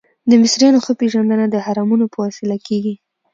د مصریانو ښه پیژندنه د هرمونو په وسیله کیږي.